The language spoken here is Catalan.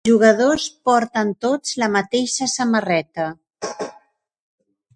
Els jugadors porten tots la mateixa samarreta.